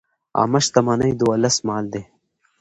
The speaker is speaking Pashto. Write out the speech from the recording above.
عامه شتمني د ولس مال دی.